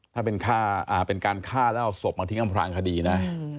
ถ้าเป็นการฆ่าแล้วเอาศพมาทิ้งอำพลางคดีนะ